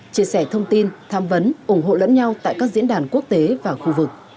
chia sẻ thông tin tham vấn ủng hộ lẫn nhau tại các diễn đàn quốc tế và khu vực